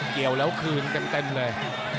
เกี่ยวแล้วคืนเต็มเลย